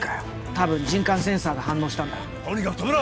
多分人感センサーが反応したんだとにかく止めろ！